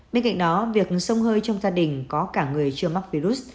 bên cạnh đó việc sông hơi trong gia đình có cả người chưa mắc virus